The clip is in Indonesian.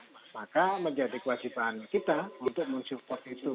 maka menjadi kewajiban kita untuk menuju port itu